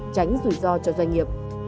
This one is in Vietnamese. tránh rủi ro cho doanh nghiệp